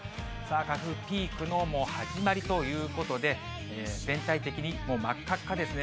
花粉、ピークの始まりということで、全体的にもうまっかっかですね。